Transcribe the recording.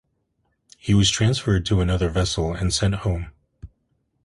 He was transferred to another vessel, and sent home.